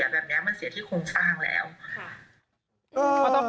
แล้วมันเสียแบบเนี้ยมันเสียที่โครงสร้างแล้ว